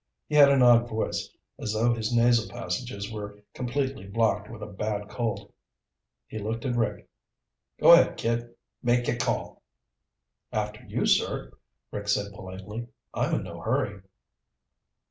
He had an odd voice, as though his nasal passages were completely blocked with a bad cold. He looked at Rick. "Go ahead, kid, make your call." "After you, sir," Rick said politely. "I'm in no hurry."